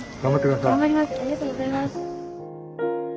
ありがとうございます。